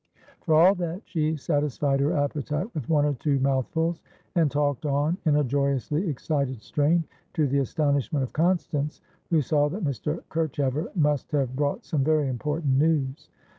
For all that, she satisfied her appetite with one or two mouthfuls, and talked on in a joyously excited strain, to the astonishment of Constance, who saw that Mr. Kerchever must have brought some very important news.